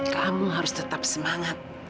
kamu harus tetap semangat